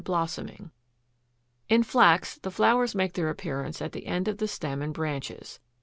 =Blossoming.= In Flax the flowers make their appearance at the end of the stem and branches.